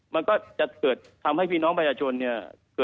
มันก็จะเกิดทำให้พี่น้องประชาชนเนี่ย